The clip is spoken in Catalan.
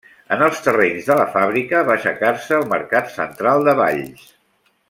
En els terrenys de la fàbrica va aixecar-se el mercat central de Valls.